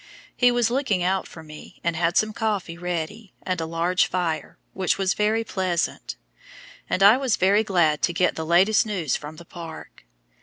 He was looking out for me, and had some coffee ready, and a large fire, which were very pleasant; and I was very glad to get the latest news from the park.